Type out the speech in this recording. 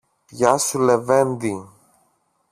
Γεια σου, λεβέντη!